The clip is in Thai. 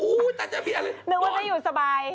นึกว่าจะอยู่สบาย